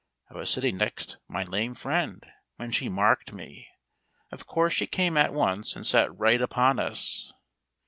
I was sitting next my lame friend when she marked me. Of course she came at once and sat right upon us.